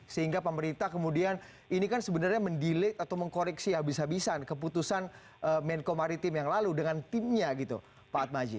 sehingga pemerintah kemudian ini kan sebenarnya mendelate atau mengkoreksi habis habisan keputusan menko maritim yang lalu dengan timnya gitu pak atmaji